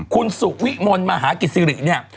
คุณสุวิมนธ์มหากิศิริ